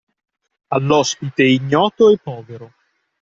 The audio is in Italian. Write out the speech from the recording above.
All'ospite ignoto e povero